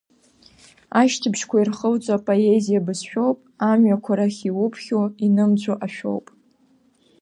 Ашьҭыбжьқәа ирхылҵуа поезиа бызшәоуп, амҩақәа рахь иуԥхьо, инымҵәо ашәоуп.